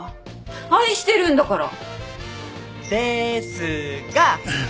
愛してるんだから